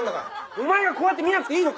お前はこうやって見なくていいの。